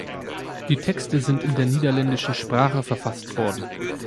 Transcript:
Die Texte sind in der niederländischen Sprache verfasst worden.